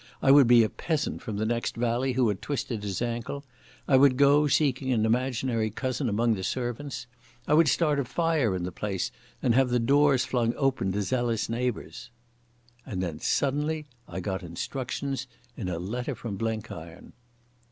I would be a peasant from the next valley who had twisted his ankle.... I would go seeking an imaginary cousin among the servants.... I would start a fire in the place and have the doors flung open to zealous neighbours.... And then suddenly I got instructions in a letter from Blenkiron.